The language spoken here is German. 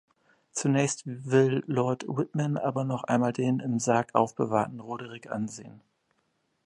Zunächst will Lord Whitman aber noch einmal den im Sarg aufbewahrten Roderick ansehen.